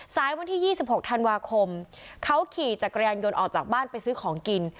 ซ้ายวันที่ยี่สิบหกธันวาคมเขาขี่จากกระยันยนต์ออกจากบ้านไปซื้อของกิน